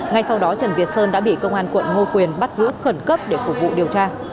ngay sau đó trần việt sơn đã bị công an quận ngô quyền bắt giữ khẩn cấp để phục vụ điều tra